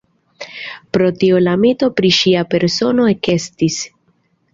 Pro tio la mito pri ŝia persono ekestis.